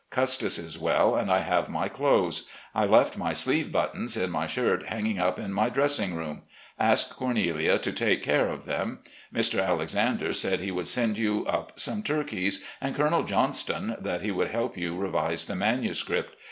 Custis is well, and I have my clothes. I left my sleeve buttons in my shirt hanging up in my dressing room. Ask Cornelia to to take care of them. Mr. Alexander said he would send you up some turkeys, and Colonel Johnston, that he would help you revise the manuscript.